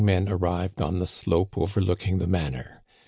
men arrived on the slope overlooking the manor.